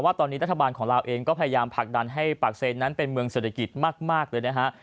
ว่าตอนนี้รัฐบาลของลาวเองก็พยายามผลักดันให้ปากเซนนั้นเป็นเมืองเศรษฐกิจมากเลยนะฮะ